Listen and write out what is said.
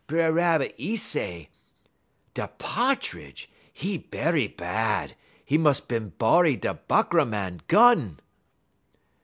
B'er Rabbit, 'e say: "'Da Pa'tridge, 'e berry bahd; 'e mus' bin borry da Buckra Màn gun.'